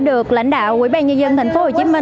được lãnh đạo quỹ ban nhân dân tp hcm